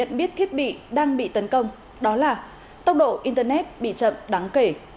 biết thiết bị đang bị tấn công đó là tốc độ internet bị chậm đáng kể